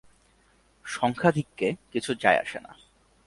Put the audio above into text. সংখ্যাধিক্যে কিছুই যায় আসে না।